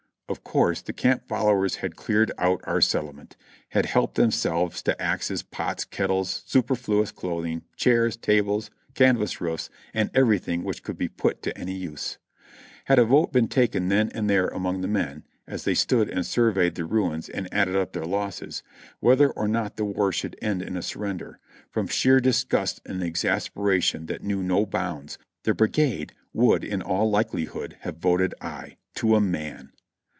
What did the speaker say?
Of course the camp followers had cleared out our settlement ; had helped themselves to axes, pots, kettles, superfluous clothing, chairs, tables, canvas roofs and everything which could be put to any use. Had a vote been taken then and there among the men (as they stood and surveyed the ruins and added up their losses), whether or not the war should end in a surrender, from sheer dis gust and exasperation that knew no bounds, the brigade would in all likelihood have voted aye, to a man.